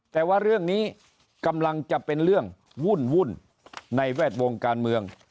แต่ว่าเรื่องนี้กำลังจะเป็นเรื่องวุ่นในแวดวงการเมือง